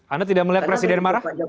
anda tidak melihat presiden marah